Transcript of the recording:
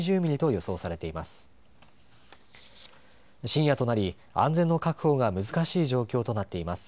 深夜となり、安全の確保が難しい状況となっています。